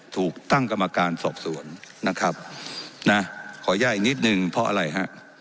ถูกตั้งกรรมการสอบสวนนะครับนะขออนุญาตอีกนิดนึงเพราะอะไรฮะ